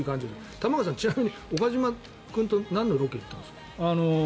玉川さん、ちなみに岡島君となんのロケ行ったんですか？